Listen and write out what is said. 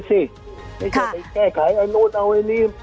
ไม่ใช่ไปแก้ไขไอ้นู้นเอาไอ้นี่